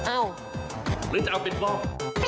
อ้าวหรือจะเอาเป็นป้อง